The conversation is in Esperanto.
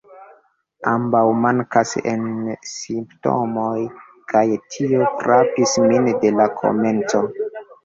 Ambaŭ mankas en Simptomoj, kaj tio frapis min de la komenco.